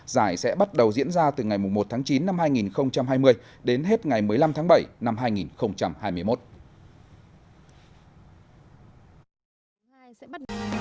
giải sẽ bắt đầu diễn ra từ ngày một tháng chín năm hai nghìn hai mươi đến hết ngày một mươi năm tháng bảy năm hai nghìn hai mươi một